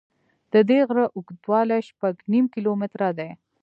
د دې غره اوږدوالی شپږ نیم کیلومتره دی.